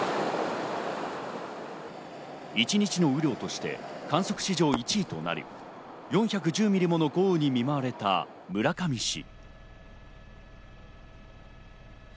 一日の雨量として観測史上１位となる４１０ミリもの豪雨に見舞われた村上市。